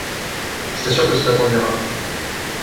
Je t’assure que cela t’ennuiera.